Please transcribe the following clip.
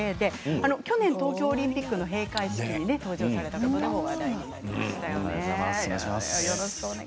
去年、東京オリンピックの閉会式に登場されたことでも話題になりましたよね。